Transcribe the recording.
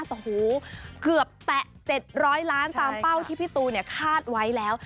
โอ้โหเกือบแตะ๗๐๐ล้านตามเป้าที่พี่ตูนคาดไว้แล้ว